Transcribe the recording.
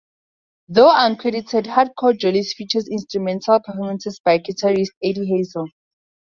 Though uncredited, "Hardcore Jollies" features instrumental performances by guitarist Eddie Hazel.